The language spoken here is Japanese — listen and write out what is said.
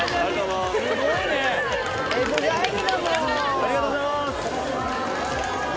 ありがとうございます。